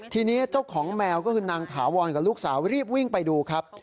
ทีนี้เจ้าของแมวก็คือนางถาวรกับลูกสาวรีบวิ่งไปดูครับ